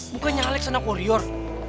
bukannya alex anak warior